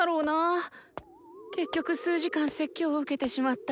結局数時間説教を受けてしまった。